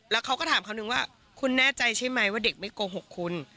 แล้วเขาก็ถามคำนึงว่าคุณแน่ใจใช่ไหมว่าเด็กไม่โกหกคุณ